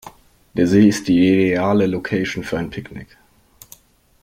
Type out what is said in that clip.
Der See ist die ideale Location für ein Picknick.